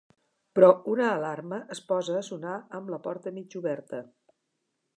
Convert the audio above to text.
Però una alarma es posa a sonar amb la porta mig oberta.